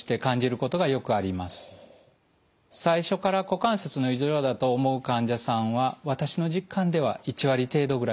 最初から股関節の異常だと思う患者さんは私の実感では１割程度ぐらいです。